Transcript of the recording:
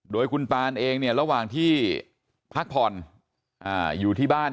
โดยคุณตานเองเนี่ยระหว่างที่พักผ่อนอยู่ที่บ้าน